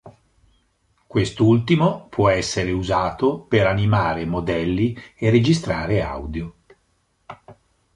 Quest'ultimo può essere usato per animare modelli e registrare audio.